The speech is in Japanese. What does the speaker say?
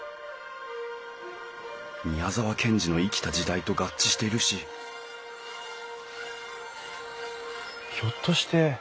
宮沢賢治の生きた時代と合致しているしひょっとして賢治が住んでいた家？